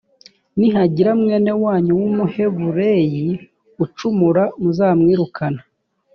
nihagira mwene wanyu w’umuhebureyi ucumura muzamwirukane